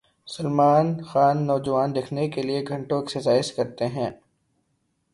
سلمان خان نوجوان دکھنے کیلئے گھنٹوں ایکسرسائز کرتے ہیں